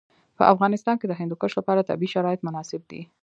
په افغانستان کې د هندوکش لپاره طبیعي شرایط مناسب دي.